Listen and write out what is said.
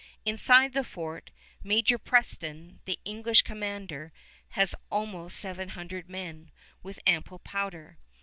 Inside the fort, Major Preston, the English commander, has almost seven hundred men, with ample powder.